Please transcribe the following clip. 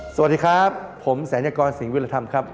สวัสดีครับผมแสนยกรสิงห์วิทยาลัยธรรมครับ